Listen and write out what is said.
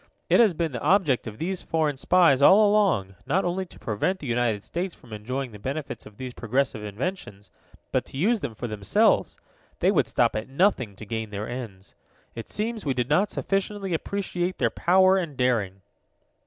"It has been the object of these foreign spies, all along, not only to prevent the United States from enjoying the benefits of these progressive inventions, but to use them for themselves. They would stop at nothing to gain their ends. It seems we did not sufficiently appreciate their power and daring."